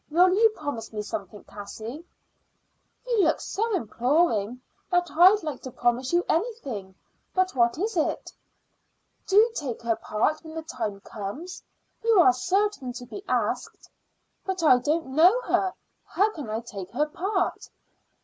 Will you promise me something, Cassie?" "You look so imploring that I'd like to promise you anything; but what is it?" "Do take her part when the time comes. You are certain to be asked." "But I don't know her. How can I take her part?"